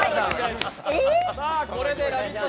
これでラヴィット！